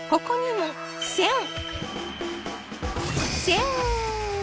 ここにも「選」